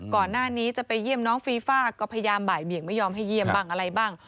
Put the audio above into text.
ก่อนหน้านี้จะไปเยี่ยมน้องฟีฟ่าก็พยายามบ่ายเบี่ยงไม่ยอมให้เยี่ยมบ้างอะไรบ้าง